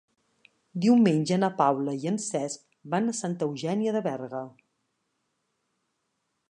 Diumenge na Paula i en Cesc van a Santa Eugènia de Berga.